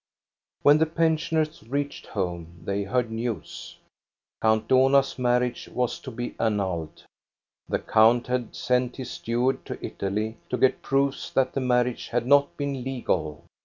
When the pensioners reached home they heard news. Count Dohna's marriage was to be annulled. The count had sent his steward to Italy to get proofs that the marriage had not been legal.